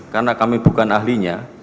karena kami bukan ahlinya